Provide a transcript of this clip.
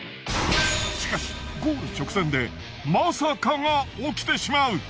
しかしゴール直前でまさかが起きてしまう。